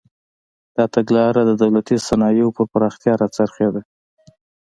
دا تګلاره د دولتي صنایعو پر پراختیا راڅرخېده.